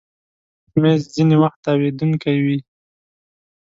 مېز ځینې وخت تاوېدونکی وي.